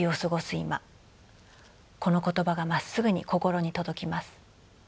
今この言葉がまっすぐに心に届きます。